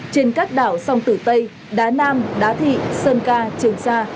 trên các đảo sông tử tây đá nam đá thị sơn ca trường sa